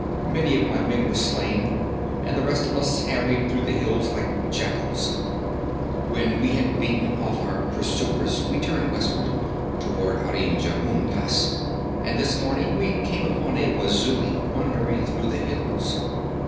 Many of my men were slain, and the rest of us harried through the hills like jackals. When we had beaten off our pursuers, we turned westward, toward Amir Jehun Pass, and this morning we came upon a Wazuli wandering through the hills.